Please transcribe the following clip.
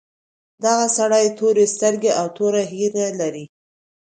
دغه سړي تورې سترګې او تور ږیره لرله.